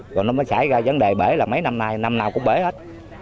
rồi nó mới xảy ra vấn đề bể là mấy năm nay năm nào cũng bể hết